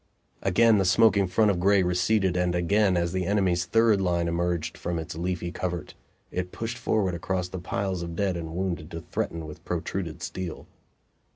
Again the smoking front of gray receded, and again, as the enemy's third line emerged from its leafy covert, it pushed forward across the piles of dead and wounded to threaten with protruded steel.